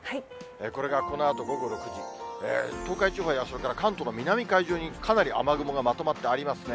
これがこのあと午後６時、東海地方や、それから関東の南海上に、かなり雨雲がまとまってありますね。